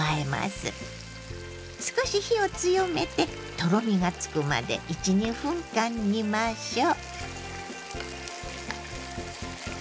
少し火を強めてとろみがつくまで１２分間煮ましょう。